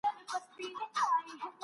د ميړه د مال وارث به ئې مالک ګڼل کېدی.